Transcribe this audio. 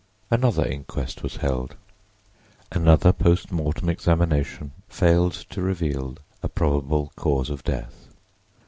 Another inquest was held: another post mortem examination failed to reveal a probable cause of death.